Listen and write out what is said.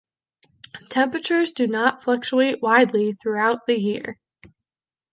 Temperatures do not fluctuate widely throughout the year.